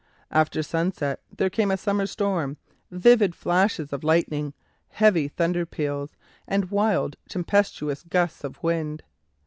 After sunset there came a summer storm, vivid flashes of lightning, heavy thunder peals, and wild, tempestuous gusts of wind.